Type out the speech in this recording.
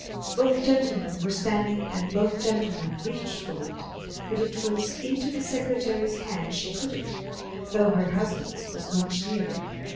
Both gentlemen were standing and both gentlemen reached for it; but it was into the secretary's hand she put it, though her husband's was much the nearer.